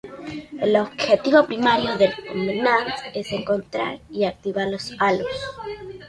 El objetivo primario del Covenant es encontrar y activar los "Halos".